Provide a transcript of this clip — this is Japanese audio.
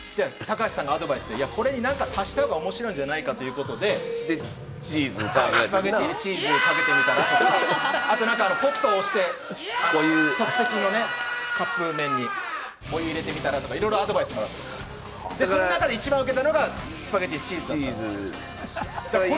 高橋さんがアドバイスでこれに何か足した方が面白いんじゃないかということで、チーズかけて、あとポットを押して即席のカップ麺にお湯入れてみたら？とか、いろいろアドバイスをもらって、その中で一番ウケたのがスパゲティにチーズ。